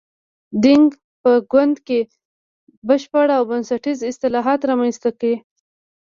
دینګ په ګوند کې بشپړ او بنسټیز اصلاحات رامنځته کړي.